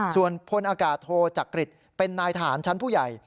ส่วนพลอากาศโทจักริตเป็นนายทหารชั้นผู้ใหญ่